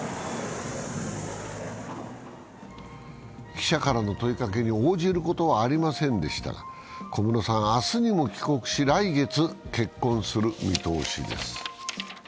記者からの問いかけに応じることはありませんでしたが、小室さんは明日にも帰国し、来月、結婚する見通しです。